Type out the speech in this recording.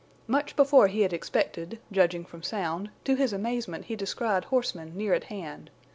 Much before he had expected, judging from sound, to his amazement he descried horsemen near at hand.